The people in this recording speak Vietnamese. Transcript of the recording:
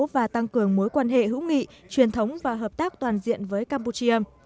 và tăng cường mối quan hệ hữu nghị truyền thống và hợp tác toàn diện với campuchia